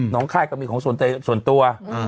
ค่ายก็มีของส่วนตัว